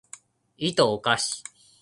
いとをかし